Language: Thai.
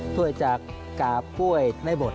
ช่วยจากกาป้วยได้หมด